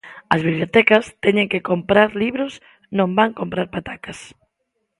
As bibliotecas teñen que comprar libros, non van comprar patacas.